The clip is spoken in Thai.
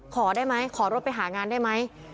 ขอได้ไหมขอรถไปหางานได้ไหม